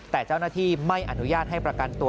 แต่เจ้าหน้าที่ไม่อนุญาตให้ประกันตัว